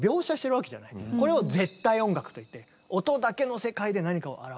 これを絶対音楽といって音だけの世界で何かを表す。